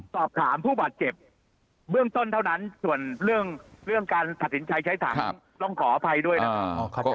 ส่วนเท่านั้นส่วนเรื่องเรื่องการสัดสินใช้ใช้ถังครับต้องขออภัยด้วยนะครับ